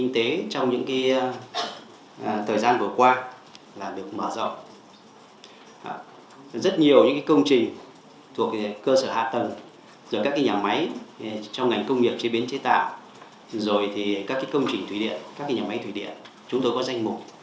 trong ngành công nghiệp chế biến chế tạo rồi thì các công trình thủy điện các nhà máy thủy điện chúng tôi có danh mục